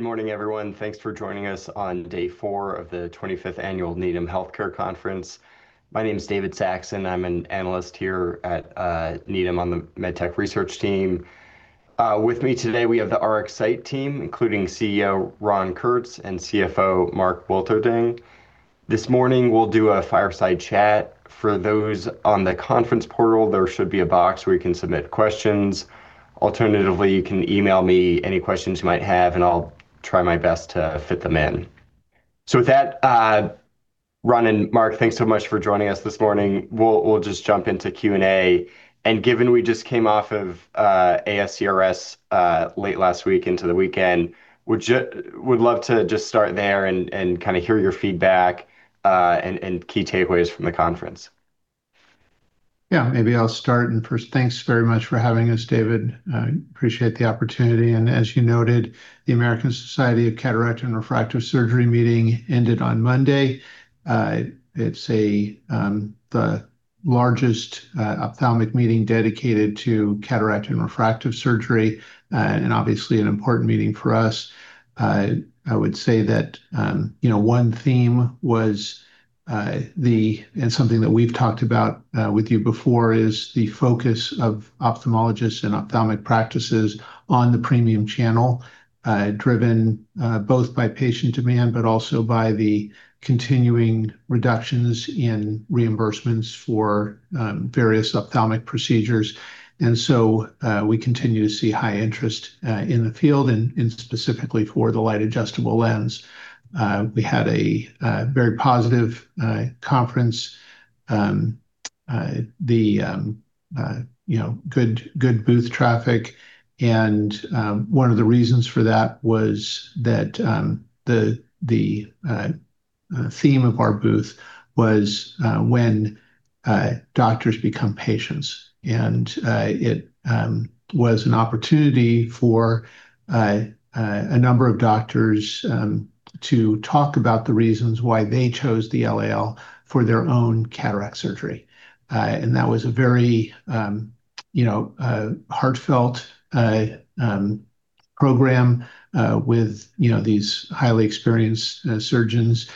Good morning, everyone. Thanks for joining us on day four of the 25th Annual Needham Healthcare Conference. My name is David Saxon. I'm an analyst here at Needham on the med tech research team. With me today we have the RxSight team, including CEO Ron Kurtz and CFO Shelley B. Thunen. This morning we'll do a fireside chat. For those on the conference portal, there should be a box where you can submit questions. Alternatively, you can email me any questions you might have, and I'll try my best to fit them in. With that, Ron and Shelley, thanks so much for joining us this morning. We'll just jump into Q&A. Given we just came off of ASCRS late last week into the weekend, would love to just start there and kind of hear your feedback, and key takeaways from the conference. Yeah, maybe I'll start. First, thanks very much for having us, David. I appreciate the opportunity. As you noted, the American Society of Cataract and Refractive Surgery meeting ended on Monday. It's the largest ophthalmic meeting dedicated to cataract and refractive surgery, and obviously an important meeting for us. I would say that one theme was, and something that we've talked about with you before, is the focus of ophthalmologists and ophthalmic practices on the premium channel, driven both by patient demand, but also by the continuing reductions in reimbursements for various ophthalmic procedures. We continue to see high interest in the field and specifically for the Light Adjustable Lens. We had a very positive conference. Good booth traffic, and one of the reasons for that was that the theme of our booth was when doctors become patients. It was an opportunity for a number of doctors to talk about the reasons why they chose the LAL for their own cataract surgery. That was a very heartfelt program, with these highly experienced surgeons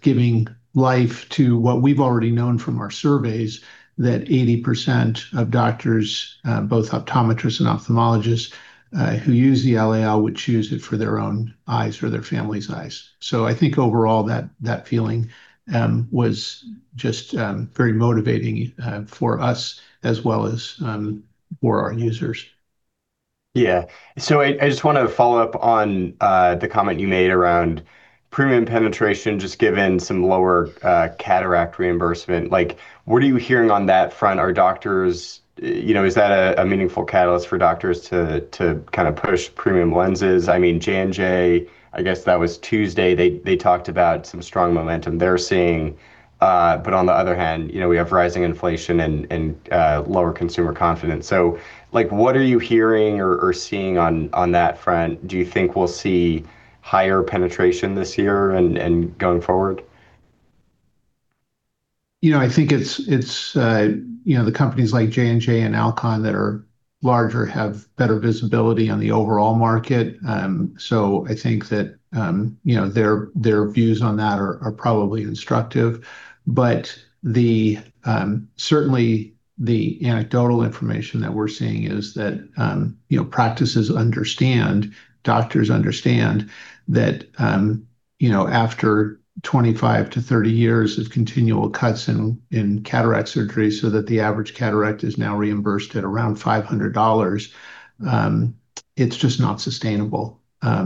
giving life to what we've already known from our surveys, that 80% of doctors, both optometrists and ophthalmologists, who use the LAL would choose it for their own eyes or their family's eyes. I think overall, that feeling was just very motivating for us as well as for our users. Yeah. I just want to follow up on the comment you made around premium penetration, just given some lower cataract reimbursement. What are you hearing on that front? Is that a meaningful catalyst for doctors to kind of push premium lenses? I mean, J&J, I guess that was Tuesday, they talked about some strong momentum they're seeing. On the other hand, we have rising inflation and lower consumer confidence. What are you hearing or seeing on that front? Do you think we'll see higher penetration this year and going forward? I think it's the companies like J&J and Alcon that are larger, have better visibility on the overall market. I think that their views on that are probably instructive. Certainly the anecdotal information that we're seeing is that practices understand, doctors understand that after 25-30 years of continual cuts in cataract surgery so that the average cataract is now reimbursed at around $500, it's just not sustainable. You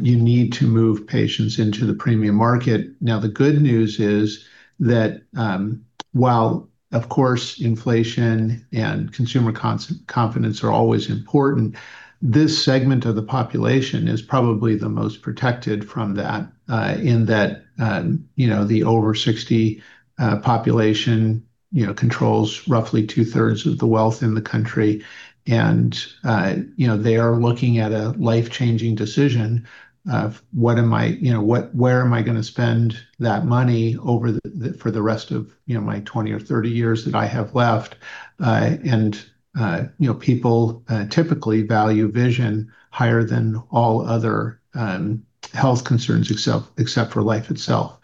need to move patients into the premium market. Now, the good news is that while of course inflation and consumer confidence are always important, this segment of the population is probably the most protected from that, in that the over 60 population controls roughly two-thirds of the wealth in the country. They are looking at a life-changing decision of where am I going to spend that money for the rest of my 20 or 30 years that I have left? People typically value vision higher than all other health concerns, except for life itself.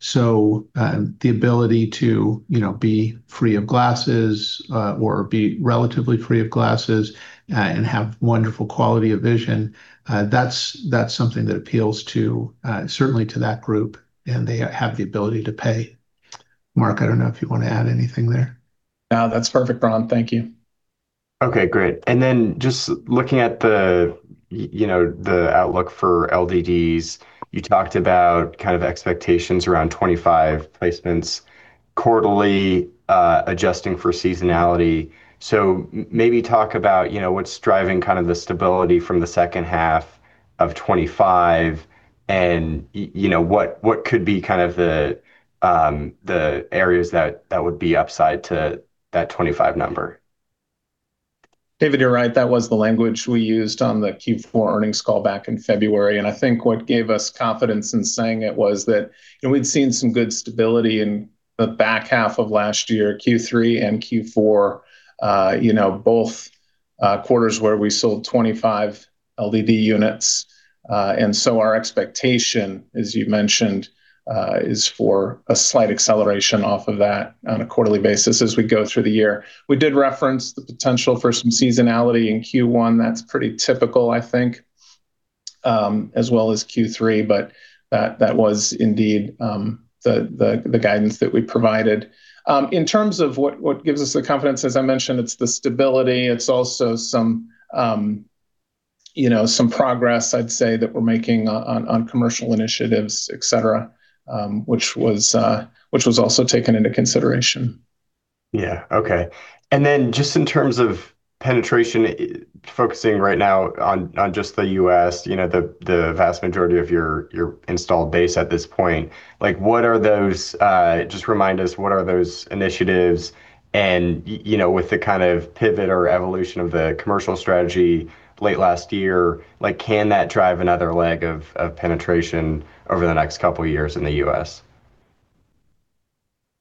The ability to be free of glasses, or be relatively free of glasses, and have wonderful quality of vision, that's something that appeals certainly to that group, and they have the ability to pay. Mark, I don't know if you want to add anything there. No, that's perfect, Ron. Thank you. Okay, great. Then just looking at the outlook for LDDs, you talked about kind of expectations around 25 placements quarterly, adjusting for seasonality. Maybe talk about what's driving kind of the stability from the second half of 2025, and what could be kind of the areas that would be upside to that 25 number. David, you're right. That was the language we used on the Q4 earnings call back in February, and I think what gave us confidence in saying it was that we'd seen some good stability in the back half of last year, Q3 and Q4, both quarters where we sold 25 LDD units. Our expectation, as you mentioned, is for a slight acceleration off of that on a quarterly basis as we go through the year. We did reference the potential for some seasonality in Q1. That's pretty typical, I think, as well as Q3, but that was indeed the guidance that we provided. In terms of what gives us the confidence, as I mentioned, it's the stability. It's also some progress, I'd say, that we're making on commercial initiatives, et cetera, which was also taken into consideration. Yeah. Okay. Just in terms of penetration, focusing right now on just the U.S., the vast majority of your installed base at this point, just remind us what are those initiatives and, with the kind of pivot or evolution of the commercial strategy late last year, can that drive another leg of penetration over the next couple of years in the U.S.?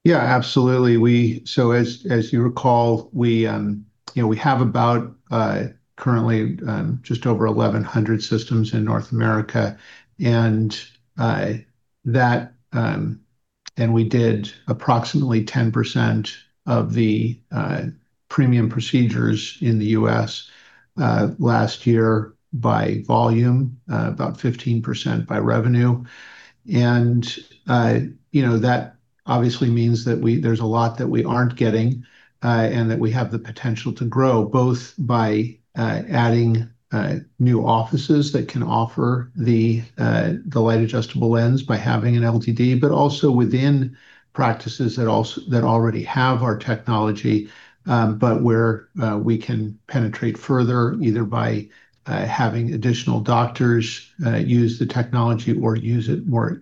Yeah, absolutely. As you recall, we have about currently just over 1,100 systems in North America, and we did approximately 10% of the premium procedures in the U.S. last year by volume, about 15% by revenue. That obviously means that there's a lot that we aren't getting and that we have the potential to grow, both by adding new offices that can offer the Light Adjustable Lens by having an LDD, but also within practices that already have our technology, but where we can penetrate further, either by having additional doctors use the technology or use it more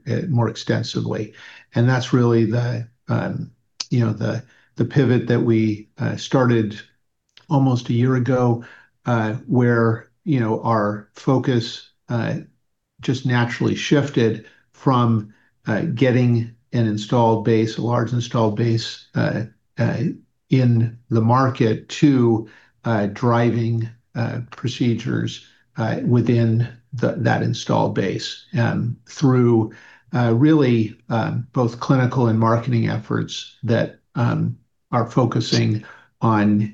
extensively. That's really the pivot that we started almost a year ago, where our focus just naturally shifted from getting an installed base, a large installed base in the market, to driving procedures within that installed base through really both clinical and marketing efforts that are focusing on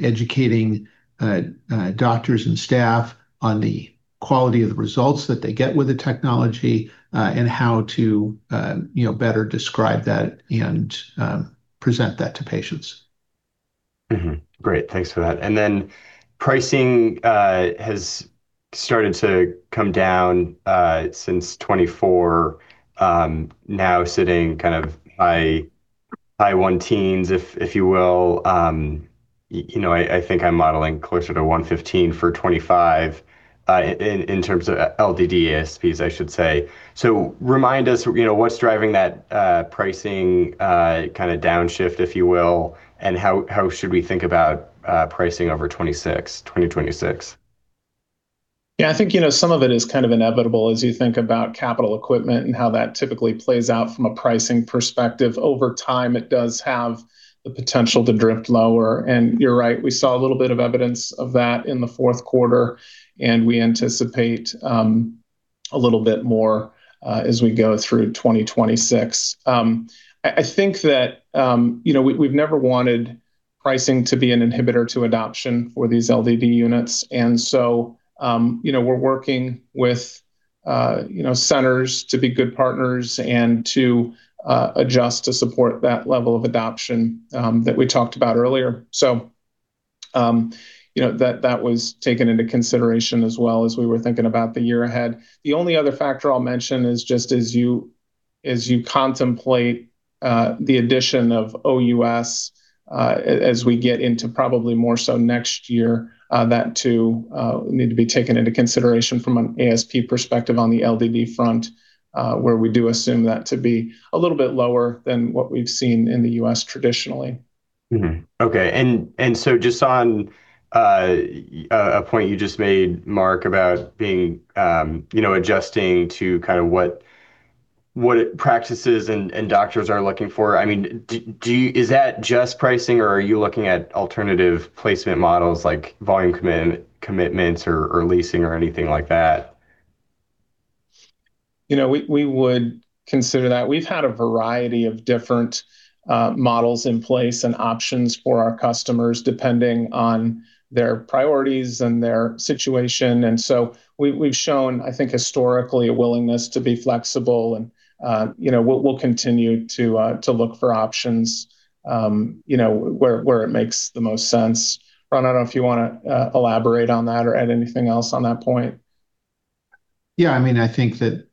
educating doctors and staff on the quality of the results that they get with the technology and how to better describe that and present that to patients. Great. Thanks for that. Then pricing has started to come down since 2024. Now sitting kind of high teens, if you will. I think I'm modeling closer to $115 for 2025, in terms of LDD ASPs, I should say. Remind us, what's driving that pricing kind of downshift, if you will, and how should we think about pricing over 2026? Yeah, I think some of it is kind of inevitable as you think about capital equipment and how that typically plays out from a pricing perspective. Over time, it does have the potential to drift lower. You're right, we saw a little bit of evidence of that in the fourth quarter, and we anticipate a little bit more as we go through 2026. I think that we've never wanted pricing to be an inhibitor to adoption for these LDD units. We're working with centers to be good partners and to adjust to support that level of adoption that we talked about earlier. That was taken into consideration as well as we were thinking about the year ahead. The only other factor I'll mention is just as you contemplate the addition of OUS as we get into probably more so next year, that too need to be taken into consideration from an ASP perspective on the LDD front, where we do assume that to be a little bit lower than what we've seen in the U.S. traditionally. Okay, just on a point you just made, Mark, about adjusting to kind of what practices and doctors are looking for. Is that just pricing or are you looking at alternative placement models like volume commitments or leasing or anything like that? We would consider that. We've had a variety of different models in place and options for our customers, depending on their priorities and their situation. We've shown, I think, historically, a willingness to be flexible, and we'll continue to look for options where it makes the most sense. Ron, I don't know if you want to elaborate on that or add anything else on that point. Yeah, I think that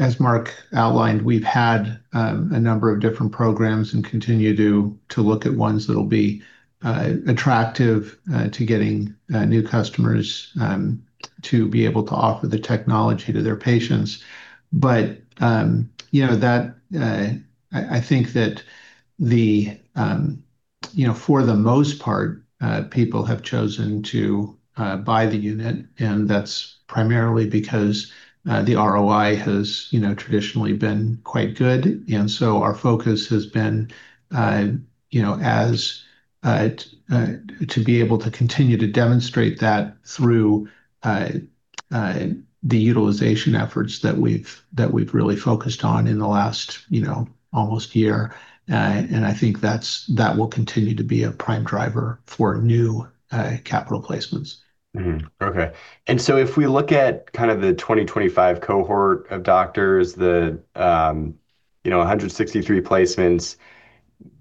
as Mark outlined, we've had a number of different programs and continue to look at ones that'll be attractive to getting new customers to be able to offer the technology to their patients. I think that for the most part, people have chosen to buy the unit, and that's primarily because the ROI has traditionally been quite good. Our focus has been to be able to continue to demonstrate that through the utilization efforts that we've really focused on in the last almost year. I think that will continue to be a prime driver for new capital placements. If we look at kind of the 2025 cohort of doctors, the 163 placements,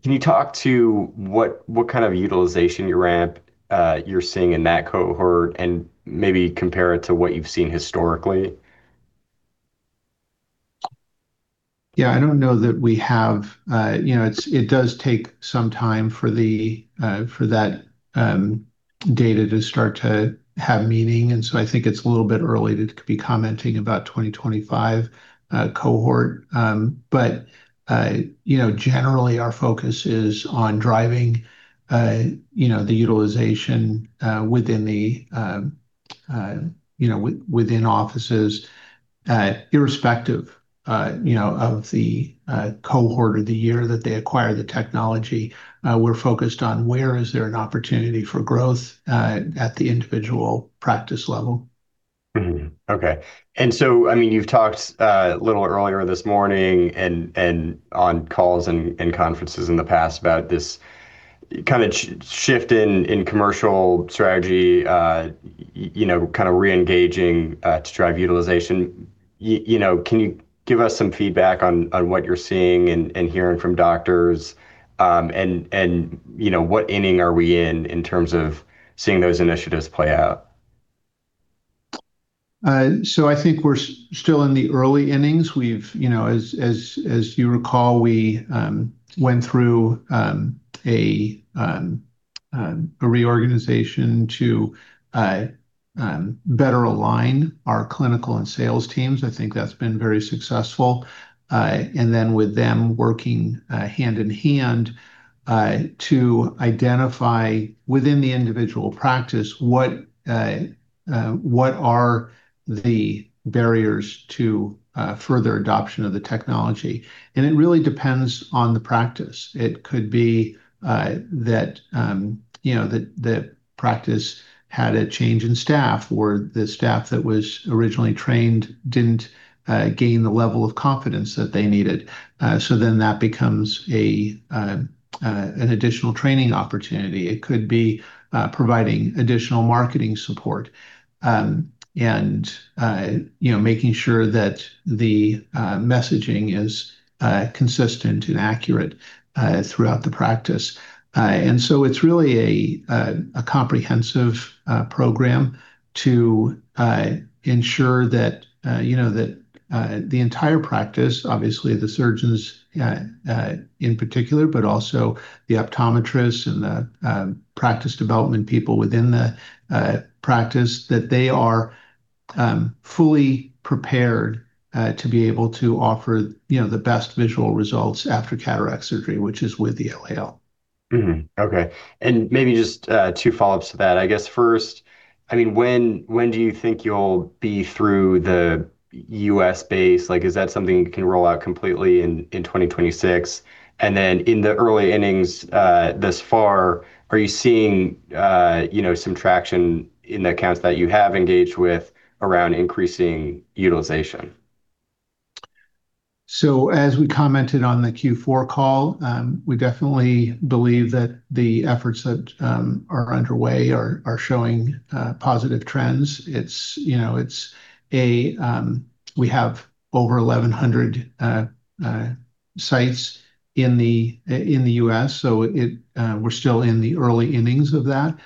can you talk to what kind of utilization ramp you're seeing in that cohort, and maybe compare it to what you've seen historically? It does take some time for that data to start to have meaning. I think it's a little bit early to be commenting about 2025 cohort. Our focus is on driving the utilization within offices, irrespective of the cohort or the year that they acquire the technology. We're focused on where is there an opportunity for growth at the individual practice level. You've talked a little earlier this morning and on calls and conferences in the past about this kind of shift in commercial strategy, kind of re-engaging to drive utilization. Can you give us some feedback on what you're seeing and hearing from doctors, and what inning are we in terms of seeing those initiatives play out? I think we're still in the early innings. As you recall, we went through a reorganization to better align our clinical and sales teams. I think that's been very successful. With them working hand-in-hand to identify within the individual practice what are the barriers to further adoption of the technology. It really depends on the practice. It could be that the practice had a change in staff, or the staff that was originally trained didn't gain the level of confidence that they needed. That becomes an additional training opportunity. It could be providing additional marketing support, and making sure that the messaging is consistent and accurate throughout the practice. It's really a comprehensive program to ensure that the entire practice, obviously the surgeons in particular, but also the optometrists and the practice development people within the practice, that they are fully prepared to be able to offer the best visual results after cataract surgery, which is with the LAL. Okay. Maybe just two follow-ups to that. I guess first, when do you think you'll be through the U.S. base? Is that something you can roll out completely in 2026? Then in the early innings thus far, are you seeing some traction in the accounts that you have engaged with around increasing utilization? As we commented on the Q4 call, we definitely believe that the efforts that are underway are showing positive trends. We have over 1,100 sites in the U.S., so we're still in the early innings of that.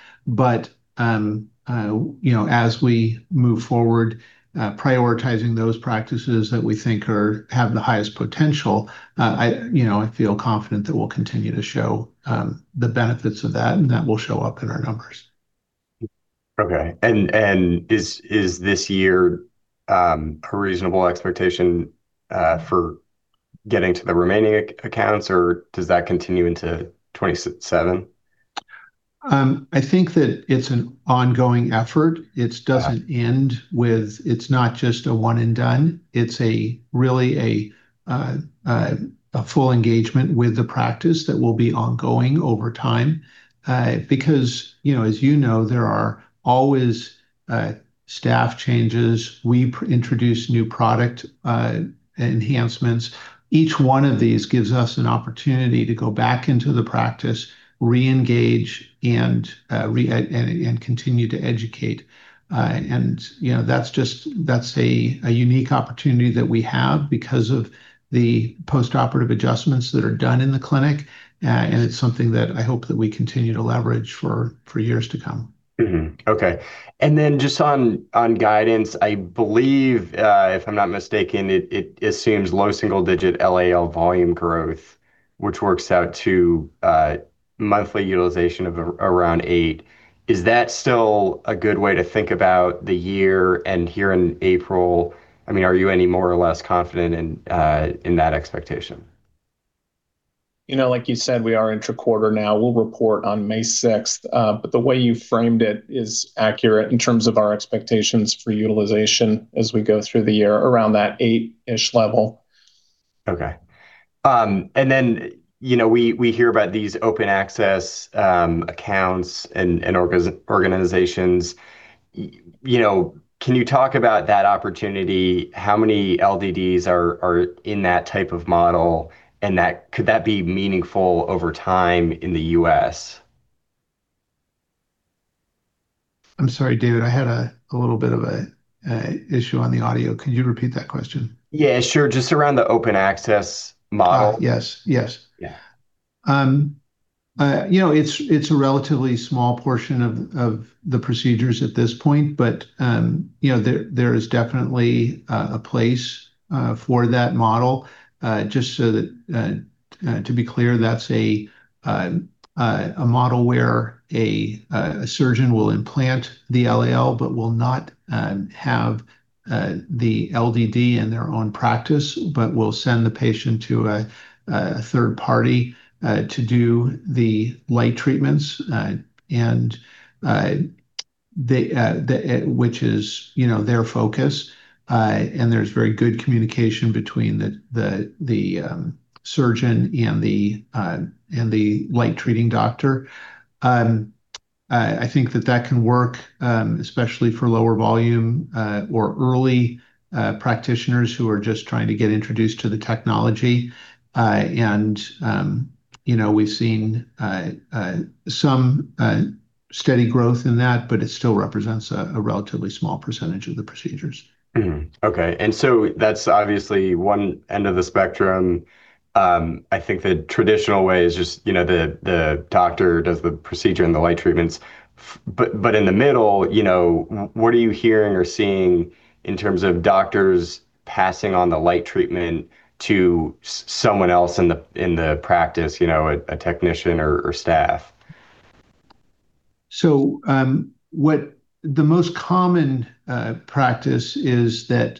As we move forward, prioritizing those practices that we think have the highest potential, I feel confident that we'll continue to show the benefits of that, and that will show up in our numbers. Okay. Is this year a reasonable expectation for getting to the remaining accounts, or does that continue into 2027? I think that it's an ongoing effort. Yeah. It doesn't end with. It's not just a one and done. It's really a full engagement with the practice that will be ongoing over time. Because, as you know, there are always staff changes. We introduce new product enhancements. Each one of these gives us an opportunity to go back into the practice, reengage, and continue to educate. That's a unique opportunity that we have because of the postoperative adjustments that are done in the clinic, and it's something that I hope that we continue to leverage for years to come. Okay. Then just on guidance, I believe, if I'm not mistaken, it assumes low single-digit LAL volume growth, which works out to monthly utilization of around eight. Is that still a good way to think about the year? Here in April, are you any more or less confident in that expectation? You know, like you said, we are intra-quarter now. We'll report on May sixth. The way you framed it is accurate in terms of our expectations for utilization as we go through the year around that eight-ish level. Okay. We hear about these open access accounts and organizations. Can you talk about that opportunity? How many LDDs are in that type of model, and could that be meaningful over time in the U.S.? I'm sorry, David, I had a little bit of an issue on the audio. Could you repeat that question? Yeah, sure. Just around the open access model. Yes. Yeah. It's a relatively small portion of the procedures at this point. There is definitely a place for that model. Just to be clear, that's a model where a surgeon will implant the LAL but will not have the LDD in their own practice, but will send the patient to a third party to do the light treatments, which is their focus. There's very good communication between the surgeon and the light-treating doctor. I think that can work, especially for lower volume or early practitioners who are just trying to get introduced to the technology. We've seen some steady growth in that, but it still represents a relatively small percentage of the procedures. That's obviously one end of the spectrum. I think the traditional way is just the doctor does the procedure and the light treatments. In the middle, what are you hearing or seeing in terms of doctors passing on the light treatment to someone else in the practice, a technician or staff? The most common practice is that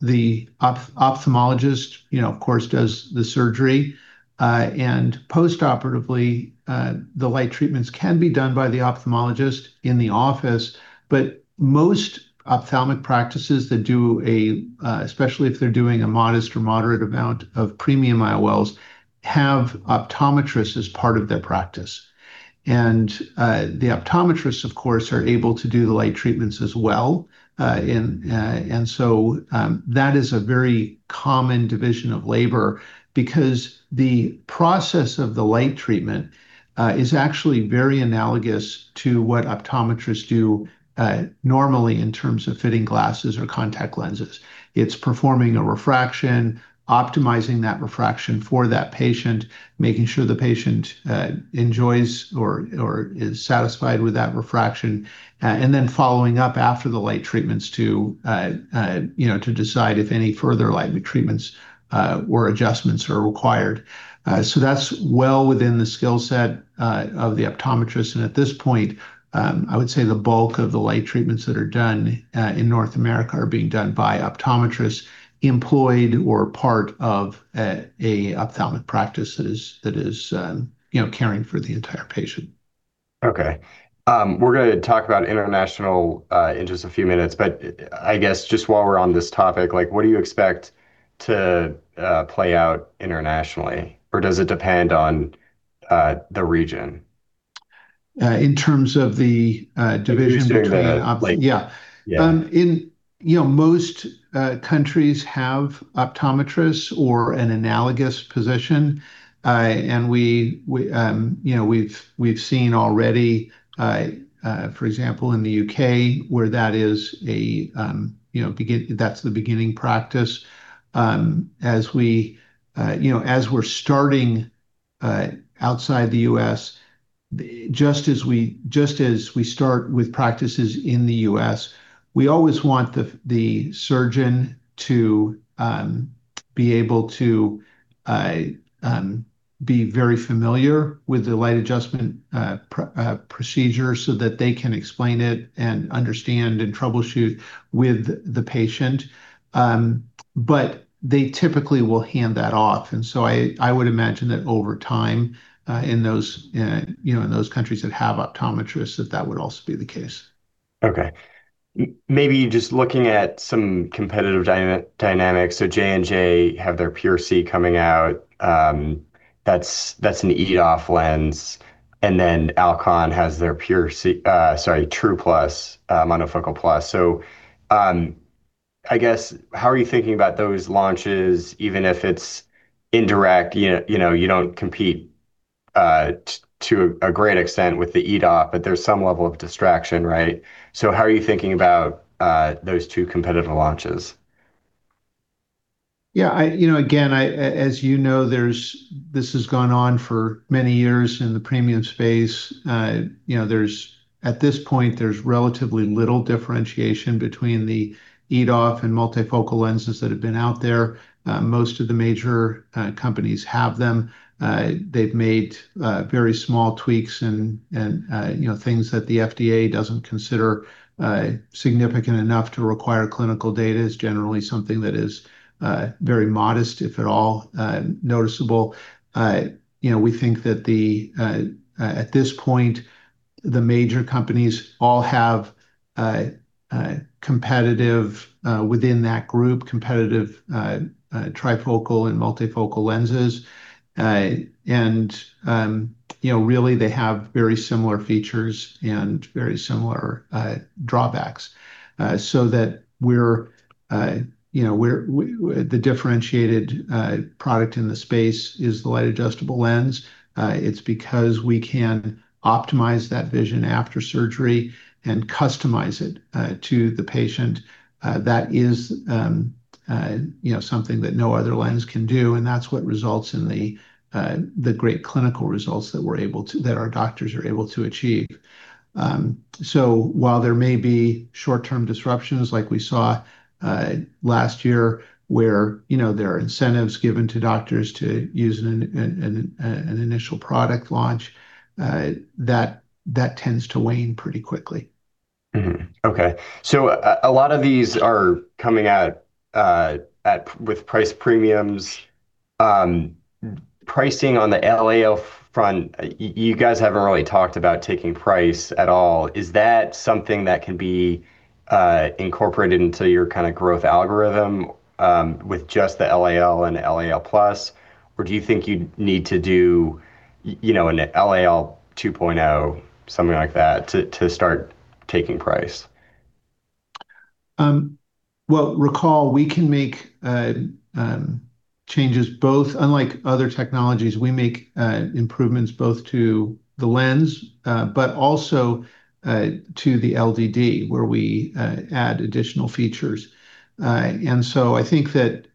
the ophthalmologist, of course, does the surgery, and post-operatively, the light treatments can be done by the ophthalmologist in the office. Most ophthalmic practices that do especially if they're doing a modest or moderate amount of premium IOLs, have optometrists as part of their practice. The optometrists, of course, are able to do the light treatments as well. That is a very common division of labor because the process of the light treatment is actually very analogous to what optometrists do normally in terms of fitting glasses or contact lenses. It's performing a refraction, optimizing that refraction for that patient, making sure the patient enjoys or is satisfied with that refraction, and then following up after the light treatments to decide if any further light treatments or adjustments are required. That's well within the skill set of the optometrist. At this point, I would say the bulk of the light treatments that are done in North America are being done by optometrists employed or part of an ophthalmic practice that is caring for the entire patient. Okay. We're going to talk about international in just a few minutes. I guess just while we're on this topic, what do you expect to play out internationally, or does it depend on the region? In terms of the division between. Division between the light. Yeah. Yeah. Most countries have optometrists or an analogous position. We've seen already for example, in the U.K., where that's the beginning practice. As we're starting outside the U.S., just as we start with practices in the U.S., we always want the surgeon to be able to be very familiar with the light adjustment procedure so that they can explain it and understand and troubleshoot with the patient. They typically will hand that off. I would imagine that over time, in those countries that have optometrists, that would also be the case. Okay. Maybe just looking at some competitive dynamics. J&J have their PureSee coming out. That's an EDOF lens. Alcon has their True Plus, monofocal plus. I guess, how are you thinking about those launches, even if it's indirect? You don't compete to a great extent with the EDOF, but there's some level of distraction, right? How are you thinking about those two competitive launches? Yeah. Again, as you know, this has gone on for many years in the premium space. At this point, there's relatively little differentiation between the EDOF and multifocal lenses that have been out there. Most of the major companies have them. They've made very small tweaks and things that the FDA doesn't consider significant enough to require clinical data, is generally something that is very modest, if at all noticeable. We think that at this point. The major companies all have, within that group, competitive trifocal and multifocal lenses. Really, they have very similar features and very similar drawbacks, so the differentiated product in the space is the Light Adjustable Lens. It's because we can optimize that vision after surgery and customize it to the patient. That is something that no other lens can do, and that's what results in the great clinical results that our doctors are able to achieve. While there may be short-term disruptions like we saw last year where there are incentives given to doctors to use an initial product launch, that tends to wane pretty quickly. A lot of these are coming out with price premiums. Pricing on the LAL front, you guys haven't really talked about taking price at all. Is that something that can be incorporated into your kind of growth algorithm with just the LAL and LAL+? Or do you think you need to do an LAL 2.0, something like that to start taking price? Well, recall we can make changes both, unlike other technologies, we make improvements both to the lens, but also to the LDD where we add additional features. I think that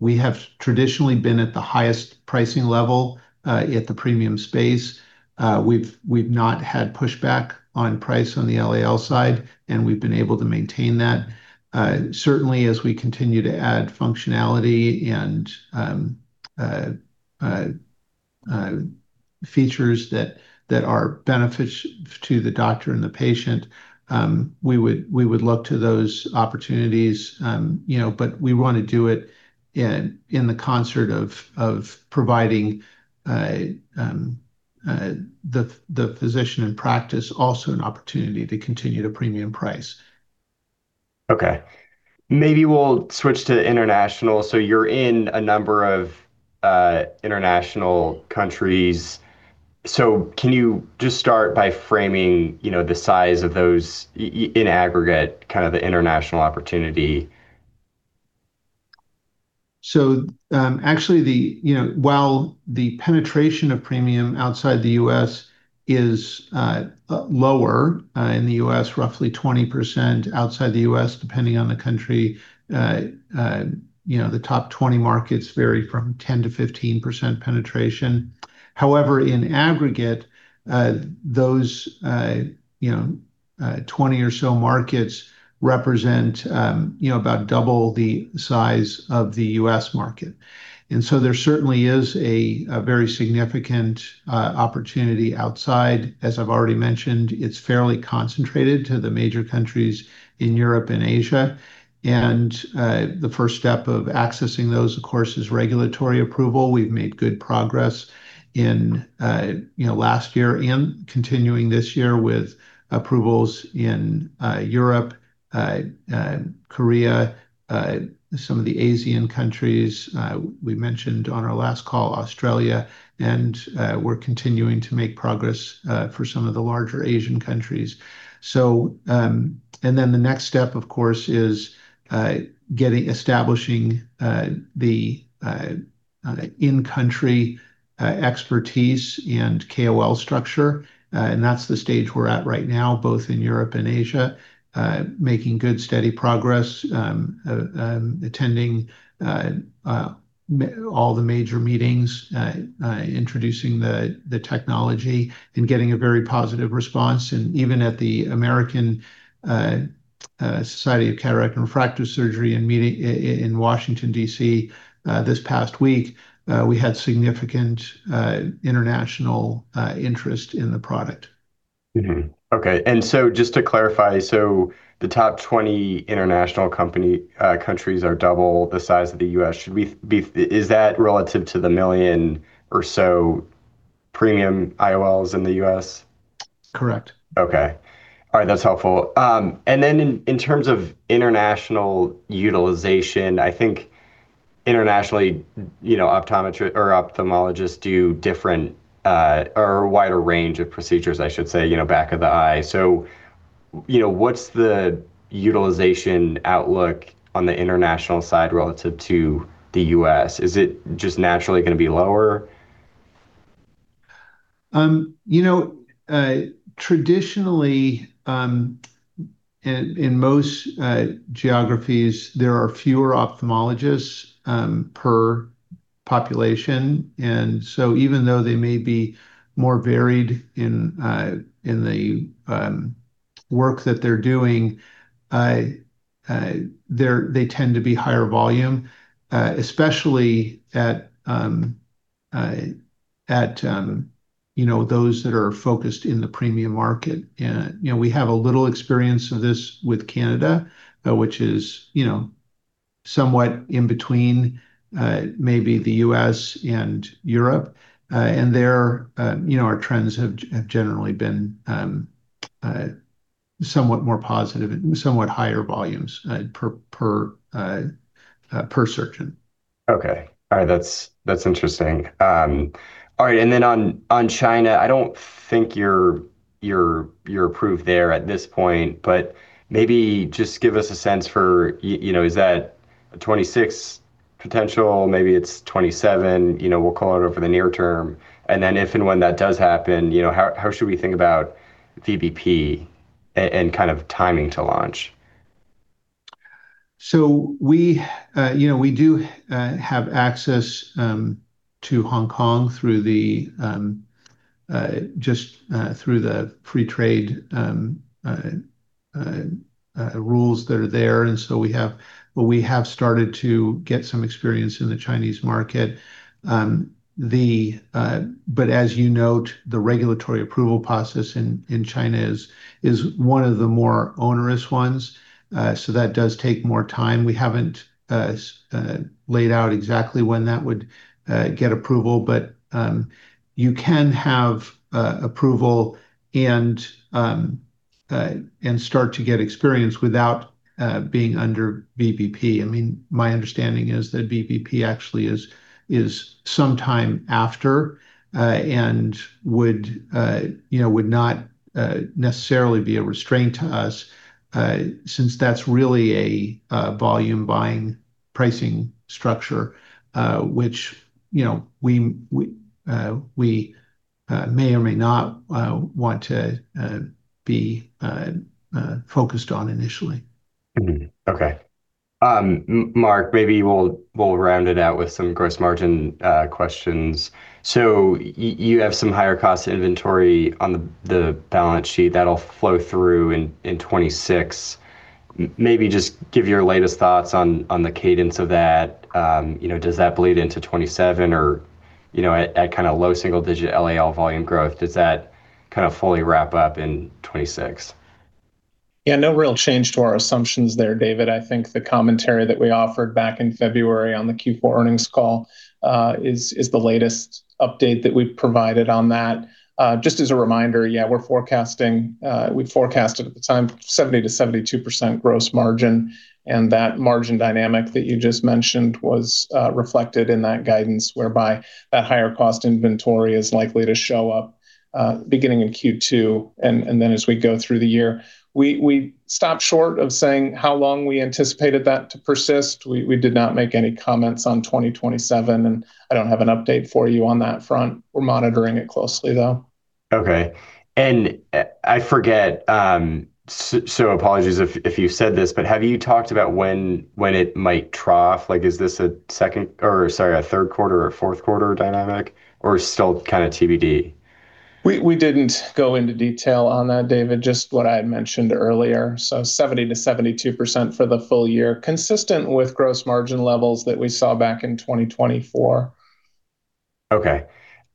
we have traditionally been at the highest pricing level at the premium space. We've not had pushback on price on the LAL side, and we've been able to maintain that. Certainly as we continue to add functionality and features that are beneficial to the doctor and the patient, we would look to those opportunities. We want to do it in concert with providing the physician in practice also an opportunity to continue to premium price. Okay. Maybe we'll switch to international. You're in a number of international countries. Can you just start by framing the size of those in aggregate, kind of the international opportunity? Actually, while the penetration of premium outside the U.S. is lower, in the U.S., roughly 20%, outside the U.S., depending on the country, the top 20 markets vary from 10%-15% penetration. However, in aggregate, those 20 or so markets represent about double the size of the U.S. market. There certainly is a very significant opportunity outside. As I've already mentioned, it's fairly concentrated to the major countries in Europe and Asia. The first step of accessing those, of course, is regulatory approval. We've made good progress last year and continuing this year with approvals in Europe, Korea, some of the Asian countries. We mentioned on our last call, Australia, and we're continuing to make progress for some of the larger Asian countries. The next step, of course, is establishing the in-country expertise and KOL structure, and that's the stage we're at right now, both in Europe and Asia, making good, steady progress, attending all the major meetings, introducing the technology, and getting a very positive response. Even at the American Society of Cataract and Refractive Surgery in Washington, D.C., this past week, we had significant international interest in the product. Okay. Just to clarify, so the top 20 international countries are double the size of the U.S. Is that relative to the 1 million or so premium IOLs in the U.S.? Correct. Okay. All right. That's helpful. In terms of international utilization, I think internationally, optometrists or ophthalmologists do different or a wider range of procedures, I should say, back of the eye. What's the utilization outlook on the international side relative to the U.S.? Is it just naturally going to be lower? Traditionally, in most geographies, there are fewer ophthalmologists per population. Even though they may be more varied in the work that they're doing, they tend to be higher volume, especially at those that are focused in the premium market. We have a little experience of this with Canada, which is somewhat in between maybe the U.S. and Europe. There our trends have generally been somewhat more positive and somewhat higher volumes per surgeon. Okay. All right. That's interesting. All right, on China, I don't think you're approved there at this point, but maybe just give us a sense for, is that a 2026 potential? Maybe it's 2027, we'll call it over the near term. If and when that does happen, how should we think about VBP and kind of timing to launch? We do have access to Hong Kong just through the free trade rules that are there. We have started to get some experience in the Chinese market. As you note, the regulatory approval process in China is one of the more onerous ones. That does take more time. We haven't laid out exactly when that would get approval. You can have approval and start to get experience without being under VBP. My understanding is that VBP actually is sometime after, and would not necessarily be a restraint to us, since that's really a volume buying pricing structure, which we may or may not want to be focused on initially. Shelley B. Thunen, maybe we'll round it out with some gross margin questions. You have some higher cost inventory on the balance sheet that'll flow through in 2026. Maybe just give your latest thoughts on the cadence of that. Does that bleed into 2027 or at low single digit LAL volume growth, does that kind of fully wrap up in 2026? Yeah, no real change to our assumptions there, David. I think the commentary that we offered back in February on the Q4 earnings call is the latest update that we've provided on that. Just as a reminder, yeah, we forecasted at the time 70%-72% gross margin, and that margin dynamic that you just mentioned was reflected in that guidance, whereby that higher cost inventory is likely to show up beginning in Q2, and then as we go through the year. We stopped short of saying how long we anticipated that to persist. We did not make any comments on 2027, and I don't have an update for you on that front. We're monitoring it closely, though. Okay. I forget, so apologies if you've said this, but have you talked about when it might trough? Is this a third quarter or fourth quarter dynamic, or still kind of TBD? We didn't go into detail on that, David. Just what I had mentioned earlier. 70%-72% for the full year, consistent with gross margin levels that we saw back in 2024. Okay.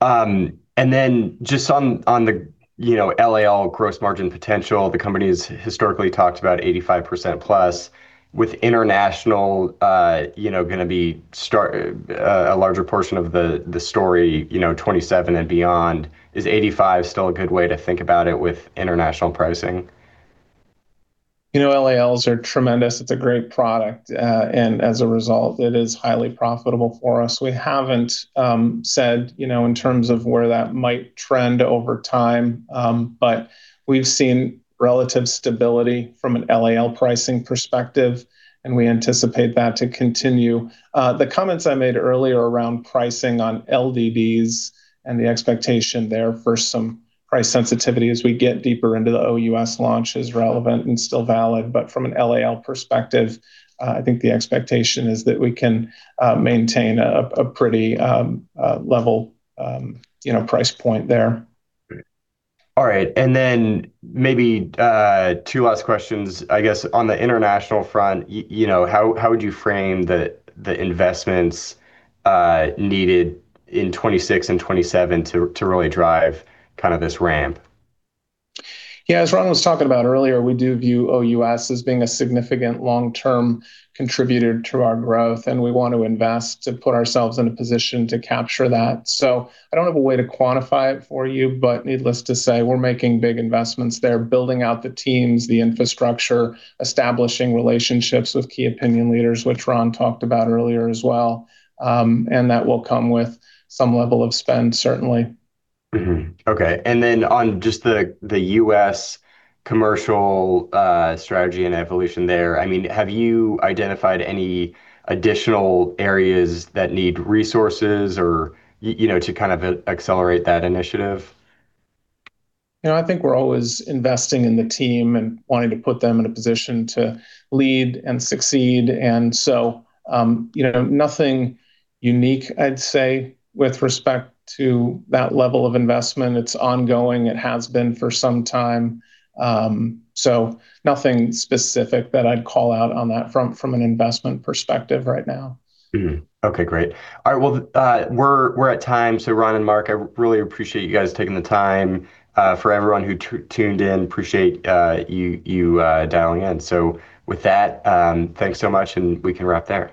Just on the LAL gross margin potential, the company's historically talked about 85%+ with international going to be a larger portion of the story, 2027 and beyond. Is 85 still a good way to think about it with international pricing? LALs are tremendous. It's a great product, and as a result, it is highly profitable for us. We haven't said in terms of where that might trend over time, but we've seen relative stability from an LAL pricing perspective, and we anticipate that to continue. The comments I made earlier around pricing on LDDs and the expectation there for some price sensitivity as we get deeper into the OUS launch is relevant and still valid. From an LAL perspective, I think the expectation is that we can maintain a pretty level price point there. All right. Maybe two last questions. I guess on the international front, how would you frame the investments needed in 2026 and 2027 to really drive this ramp? Yeah, as Ron was talking about earlier, we do view OUS as being a significant long-term contributor to our growth, and we want to invest to put ourselves in a position to capture that. I don't have a way to quantify it for you, but needless to say, we're making big investments there, building out the teams, the infrastructure, establishing relationships with key opinion leaders, which Ron talked about earlier as well. That will come with some level of spend, certainly. On just the U.S. commercial strategy and evolution there, have you identified any additional areas that need resources to kind of accelerate that initiative? I think we're always investing in the team and wanting to put them in a position to lead and succeed. Nothing unique I'd say with respect to that level of investment. It's ongoing. It has been for some time. Nothing specific that I'd call out on that from an investment perspective right now. Okay, great. All right. Well, we're at time. Ron and Mark, I really appreciate you guys taking the time. For everyone who tuned in, I appreciate you dialing in. With that, thanks so much, and we can wrap there.